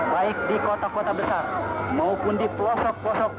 baik di kota kota besar maupun di luar negara